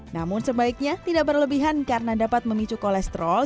namun sebaiknya tidak berlebihan karena dapat memicu kolesterol